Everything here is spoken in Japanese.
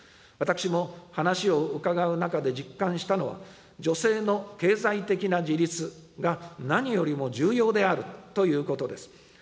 私も話を伺う中で実感したのは、女性の経済的な自立が何よりも重要であるということです。